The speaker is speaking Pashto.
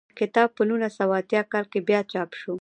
کتاب په نولس سوه اتیا کال کې بیا چاپ شو.